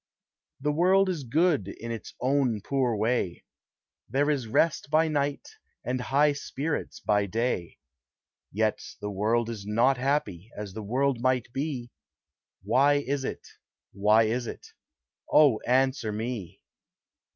The world is good in its own poor way, There is rest by night and high spirits by day; Yet the world is not happy, as the world might be, Why is it? why is it? Oh, answer me!